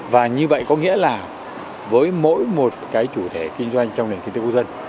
và như vậy có nghĩa là với mỗi một cái chủ thể kinh doanh trong nền kinh tế quốc dân